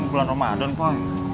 bulan ramadan pak